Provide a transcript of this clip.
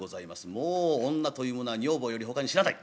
もう女というものは女房よりほかに知らない。